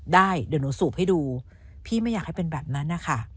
ได้เดี๋ยวหนูสูบให้ดูพี่ไม่อยากให้เป็นแบบนั้นนะคะ